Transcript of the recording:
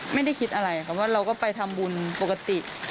ไม่ได้คิดอะไรเราก็ไปทำบุญปกติ